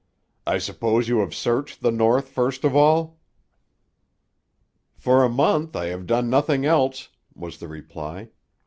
"I suppose you have searched the north first of all?" "For a month I have done nothing else," was the reply.